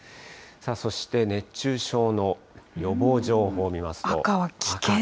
そして、熱中症の予防情報見ますと。